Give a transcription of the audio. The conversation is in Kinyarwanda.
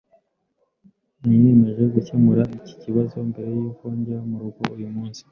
Niyemeje gukemura iki kibazo mbere yuko njya murugo uyu munsi.